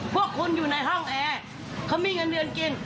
พวกคุณอยู่ในห้องแอร์เขามีเงินเดือนกิน